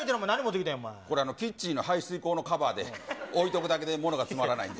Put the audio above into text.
これ、キッチンの排水溝のカバーで置いとくだけで物が詰まらないんです。